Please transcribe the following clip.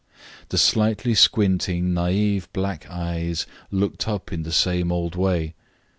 The slightly squinting naive black eyes looked up in the same old way.